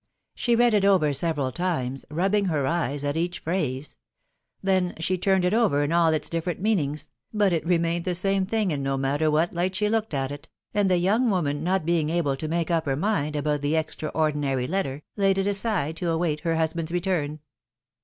She read it over several times, rubbing her eyes PHILOMi^NE^S MAEEIAGES. 321 at each phrase ; then she turned it over in all its different meanings, but it remained the same thing in no matter what light she looked at it, and the young woman not being able to make up her mind about the extraordinary letter, laid it aside to await her husband^s return.